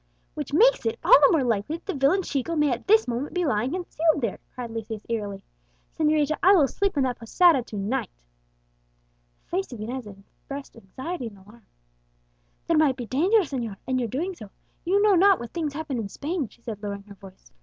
"Which makes it all the more likely that the villain Chico may at this moment be lying concealed there!" cried Lucius eagerly. "Señorita, I will sleep in that posada to night!" The face of Inez expressed anxiety and alarm. "There might be danger, señor, in your doing so; you know not what things happen in Spain," she said, lowering her voice.